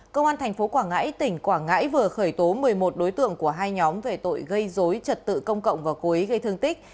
công an tp quảng ngãi tỉnh quảng ngãi vừa khởi tố một mươi một đối tượng của hai nhóm về tội gây dối trật tự công cộng và cố ý gây thương tích